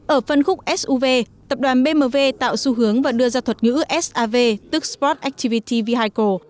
ở phân khúc suv tập đoàn bmw tạo xu hướng và đưa ra thuật ngữ sav tức sport actvigle